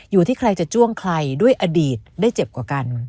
อยู่ที่ใครจะจ้วงใครด้วยอดีตได้เจ็บกว่ากัน